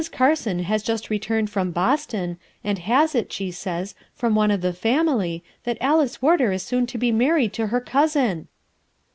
Carson has just returned from Boston, and has it, she says, from one of the family that .Mice Warder is soon to be married to her cousin."